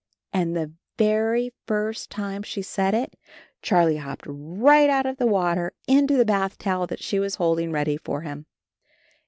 And the very first time she said it, Charlie hopped right out of the water into the bath towel that she was holding ready for him.